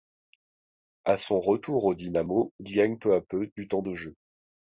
À son retour au Dinamo, il gagne peu à peu du temps de jeu.